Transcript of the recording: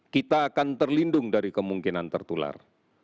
kita akan terlindung dari kemungkinan tertular